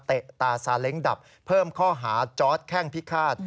ตาซาเล้งดับเพิ่มข้อหาจอร์ดแข้งพิฆาต